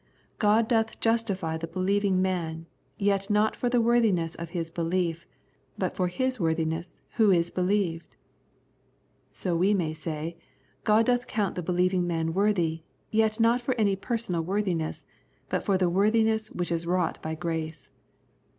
" God doth justify the believing man, yet not for the worthiness of his belief, but for His worthi ness Who is believed." So we may say, God doth count the believing man worthy, yet not for any personal worthiness, but for the worthiness which is wrought by grace.